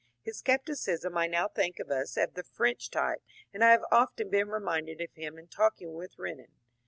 His scepticism I now think of as of the French type, and I have often been reminded of him in talking with Renan.